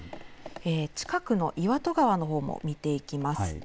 近くの岩戸川も見ていきます。